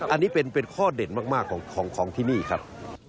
อันนี้เป็นข้อเด่นมากของที่นี่ครับ